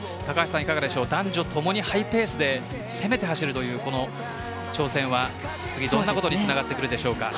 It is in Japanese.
男女ともにハイペースで攻めた走りという挑戦はどんなことにつながるでしょうか。